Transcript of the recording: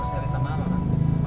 masih dia temen temen sosialita mama